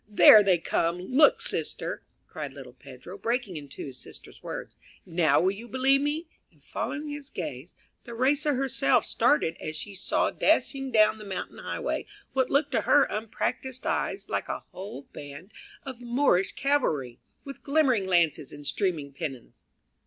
there they come; look, sister!" cried little Pedro, breaking into his sister's words; "now will you believe me?" and following his gaze, Theresa herself started as she saw dashing down the mountain highway what looked to her unpractised eye like a whole band of Moorish cavalry with glimmering lances and streaming pennons.